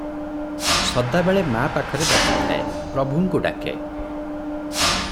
ସଦାବେଳେ ମାଆପାଖରେ ବସିଥାଏ, ପ୍ରଭୁଙ୍କୁ ଡାକେ ।